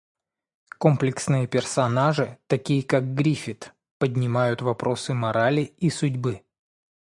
Комплексные персонажи, такие как Гриффит, поднимают вопросы морали и судьбы.